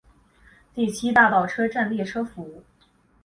第七大道车站列车服务。